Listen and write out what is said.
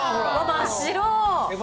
真っ白！